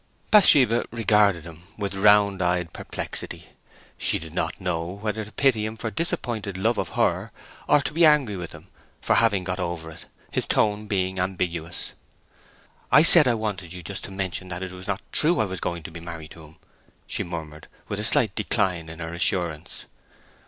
Bathsheba regarded him with round eyed perplexity. She did not know whether to pity him for disappointed love of her, or to be angry with him for having got over it—his tone being ambiguous. "I said I wanted you just to mention that it was not true I was going to be married to him," she murmured, with a slight decline in her assurance.